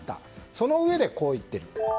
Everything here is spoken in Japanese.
そのうえで、こう言っている。